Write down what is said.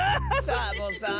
サボさん！